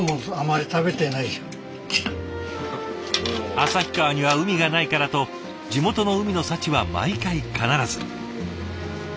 旭川には海がないからと地元の海の幸は毎回必ず。